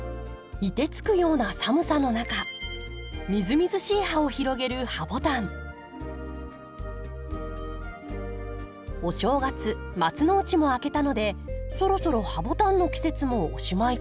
凍てつくような寒さの中みずみずしい葉を広げるお正月松の内も明けたのでそろそろハボタンの季節もおしまいかな。